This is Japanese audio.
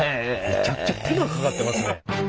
めちゃくちゃ手間かかってますね。